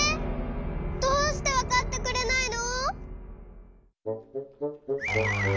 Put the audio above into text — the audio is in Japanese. どうしてわかってくれないの！？